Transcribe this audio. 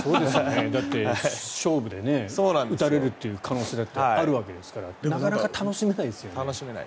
だって、勝負で打たれるという可能性だってあるわけですからなかなか楽しめないですよね。